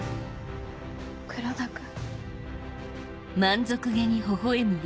黒田君。